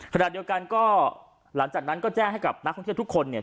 ขณะเดียวกันก็หลังจากนั้นก็แจ้งให้กับนักท่องเที่ยวทุกคนเนี่ย